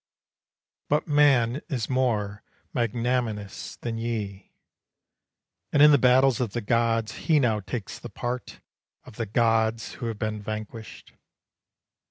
But man is more magnanimous than ye, And in the battles of the gods, he now takes the part Of the gods who have been vanquished.